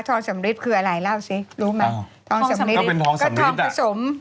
ทองสำริดคืออะไรเล่าสิรู้ไหม